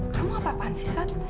kamu apaan sih saat